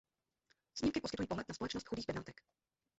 Snímky poskytují pohled na společnost chudých Benátek.